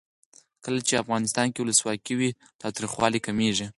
کله چې افغانستان کې ولسواکي وي تاوتریخوالی کمیږي.